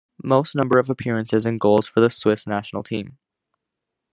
Most number of appearances and goals for the Swiss national team.